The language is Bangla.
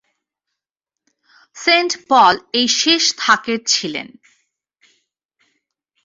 সেণ্ট পল এই শেষ থাকের ছিলেন।